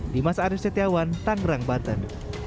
dimas arief setiawan tangerang banten